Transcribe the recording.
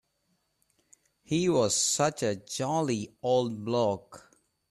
He was such a jolly old bloke.